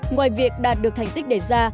ngoài việc đạt được thành tích đề ra